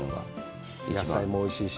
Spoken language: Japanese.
野菜もおいしいし。